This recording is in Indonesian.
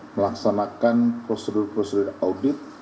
melaksanakan prosedur prosedur audit